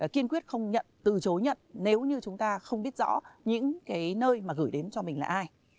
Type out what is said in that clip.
kiên quyết không nhận từ chối nhận nếu như chúng ta không biết rõ những cái nơi mà gửi đến cho mình là ai